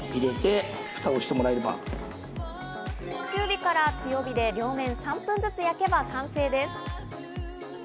中火から強火で両面３分ずつ焼けば完成です。